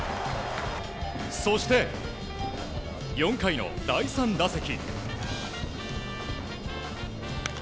そして４回の第３打席。